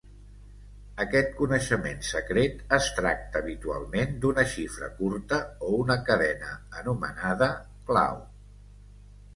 Aquest coneixement secret es tracta habitualment d'un xifra curta o una cadena anomenada "clau".